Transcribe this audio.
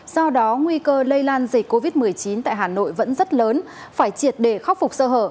do đó nguy cơ lây lan dịch covid một mươi chín tại hà nội vẫn rất lớn phải triệt để khắc phục sơ hở